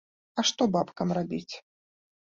А што бабкам рабіць?